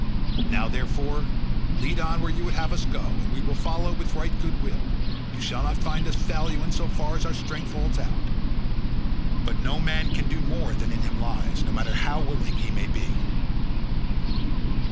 Now, therefore, lead on where you would have us go, and we will follow with right goodwill; you shall not find us fail you in so far as our strength holds out, but no man can do more than in him lies, no matter how willing he may be."